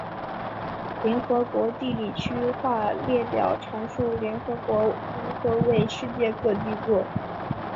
联合国地理区划列表阐述联合国如何为世界各地作。